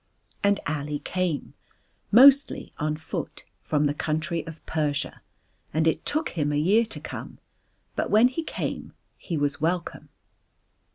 And Ali came, mostly on foot, from the country of Persia, and it took him a year to come; but when he came he was welcome.